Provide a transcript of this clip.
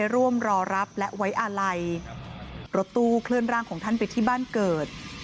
ร่วมรอรับและไว้อาลัยรถตู้เคลื่อนร่างของท่านไปที่บ้านเกิด